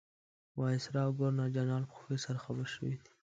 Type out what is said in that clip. وایسرا او ګورنرجنرال په خوښۍ سره خبر شوي دي.